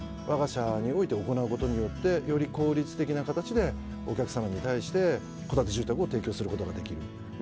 わが社において行うことによってより効率的な形でお客さまに対して戸建て住宅を提供することができる。